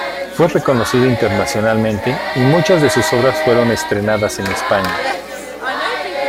Fue reconocido internacionalmente y muchas de sus obras fueron estrenadas en España.